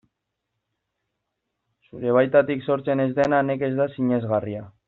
Zure baitatik sortzen ez dena nekez da sinesgarria.